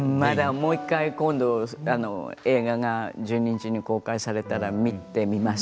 もう１回、映画が１２日に公開されたら見てみます